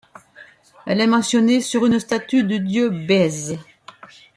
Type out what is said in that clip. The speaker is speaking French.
Elle est mentionnée sur une statue du dieu Bès.